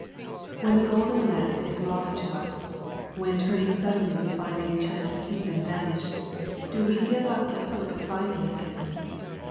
When the Golden Land is lost to us, when turning suddenly we find the enchanted kingdom vanished, do we give up the hope of finding it again?